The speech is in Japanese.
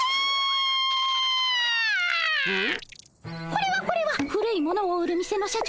これはこれは古いものを売る店の社長